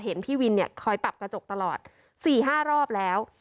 เห็นพี่วินคอยปรับกระจกตลอด๔๕รอบแล้ว